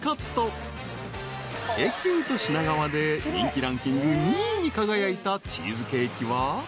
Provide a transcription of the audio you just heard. ［エキュート品川で人気ランキング２位に輝いたチーズケーキは］